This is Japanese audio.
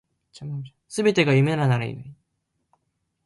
全てが夢ならいいのに